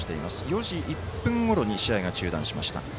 ４時１分ごろに試合が中断しました。